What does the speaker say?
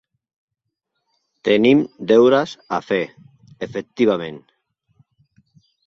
Tenim deures a fer, efectivament.